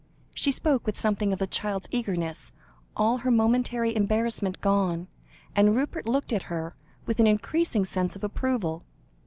She spoke with something of a child's eagerness, all her momentary embarrassment gone, and Rupert looked at her, with an increasing sense of approval.